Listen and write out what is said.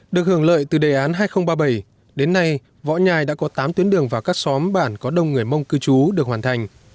được hưởng lợi từ đề án hai nghìn ba mươi bảy đến nay võ nhai đã có tám tuyến đường và các xóm bản có đông người mông cư trú được hoàn thành